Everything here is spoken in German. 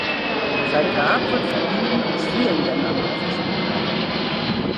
Sein Grab wird von Juden aus vielen Ländern aufgesucht.